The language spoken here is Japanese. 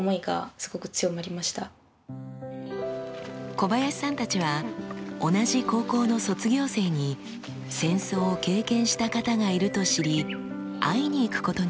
小林さんたちは同じ高校の卒業生に戦争を経験した方がいると知り会いに行くことにしました。